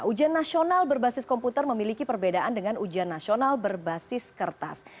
ujian nasional berbasis komputer memiliki perbedaan dengan ujian nasional berbasis kertas